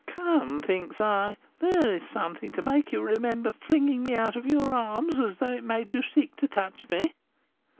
Come, thinks I, there is something to make you remember flinging me out of your arms, as though it made you sick to touch me.